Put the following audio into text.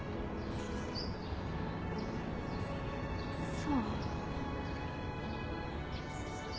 そう。